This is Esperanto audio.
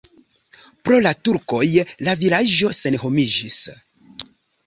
Pro la turkoj la vilaĝo senhomiĝis.